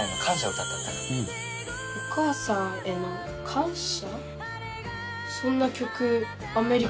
お母さんへの感謝？